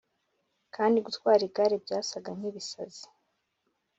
kandi gutwara igare byasaga nkibisazi.